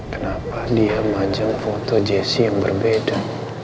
kenapa dia manjang foto jisoo yang berbeda